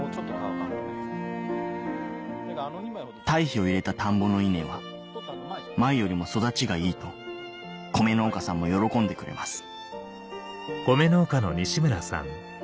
堆肥を入れた田んぼの稲は前よりも育ちがいいと米農家さんも喜んでくれます